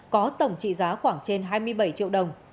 có tổng trị giá khoảng trên hai mươi bảy triệu đồng